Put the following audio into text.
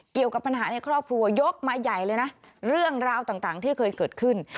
เกี่ยวกับปัญหาในครอบครัวยกมาใหญ่เลยนะเรื่องราวต่างที่เคยเกิดขึ้น